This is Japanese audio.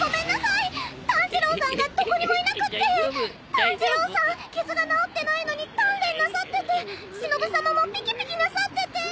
炭治郎さん傷が治ってないのに鍛錬なさっててしのぶさまもピキピキなさってて。